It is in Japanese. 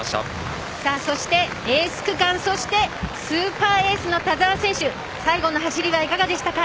そしてエース区間スーパーエースの田澤選手最後の走りはいかがでしたか？